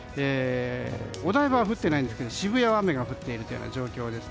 お台場は降ってないんですけど渋谷は雨が降っている状況です。